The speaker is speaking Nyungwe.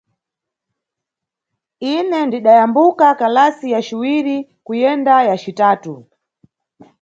Ine ndidayambuka kalasi ya ciwiri kuyenda ya citatu.